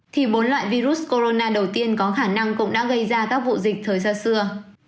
thì bốn loại virus corona đầu tiên có khả năng cũng đã gây ra các vụ dịch thời gian xưa